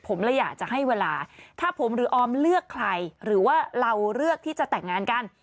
ผมเลยอยากจะให้เวลาถ้าผมหรือออมเลือกใครหรือว่าเราเลือกที่จะแต่งงานกัน